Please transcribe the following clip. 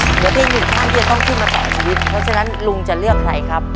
เดี๋ยวได้ยินข้างที่จะต้องขึ้นมาต่อชีวิตเพราะฉะนั้นลุงจะเลือกใครครับ